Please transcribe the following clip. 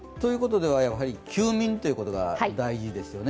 やはり休眠ということが大事ですよね。